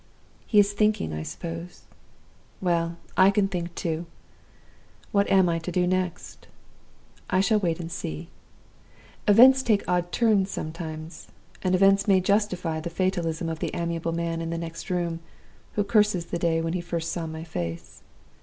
"He is thinking, I suppose? Well! I can think too. What am I to do next? I shall wait and see. Events take odd turns sometimes; and events may justify the fatalism of the amiable man in the next room, who curses the day when he first saw my face.